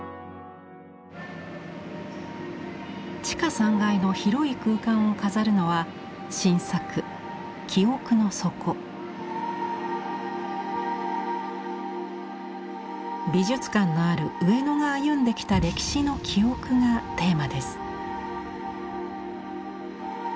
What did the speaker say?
地下３階の広い空間を飾るのは新作美術館のある上野が歩んできた歴史の記憶がテーマです。